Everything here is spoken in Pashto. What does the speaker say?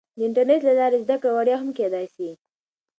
د انټرنیټ له لارې زده کړه وړیا هم کیدای سي.